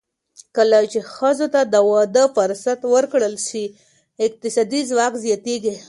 کله چې ښځو ته د ودې فرصت ورکړل شي، اقتصادي ځواک زیاتېږي.